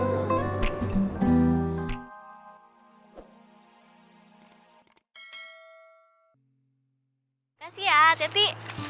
makasih ya ceti